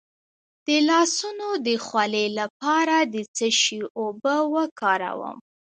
د لاسونو د خولې لپاره د څه شي اوبه وکاروم؟